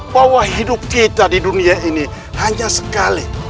bahwa hidup kita di dunia ini hanya sekali